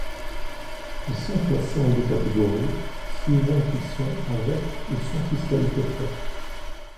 Ils sont classés en deux catégories suivant qu'ils sont avec ou sans fiscalité propre.